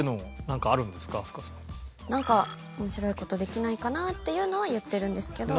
なんか面白い事できないかなっていうのは言ってるんですけど。